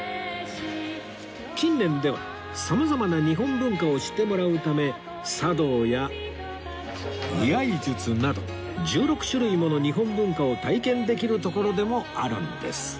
近年では様々な日本文化を知ってもらうため茶道や居合術など１６種類もの日本文化を体験できる所でもあるんです